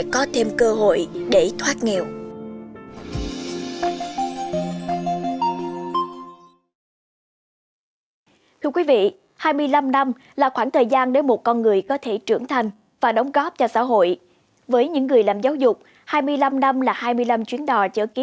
có thêm cơ hội để thoát nghèo